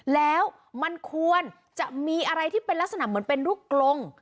แล้วมันควรจะมีอะไรที่เป็นลักษณะเหมือนเป็นลูกกลง